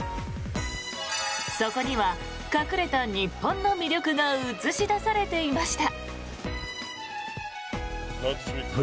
そこには隠れた日本の魅力が写し出されていました。